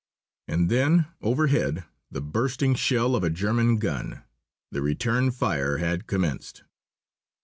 And then overhead the bursting shell of a German gun. The return fire had commenced!